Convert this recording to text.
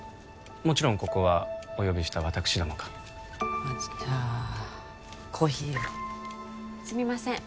もちろんここはお呼びした私どもがじゃあコーヒーをすみません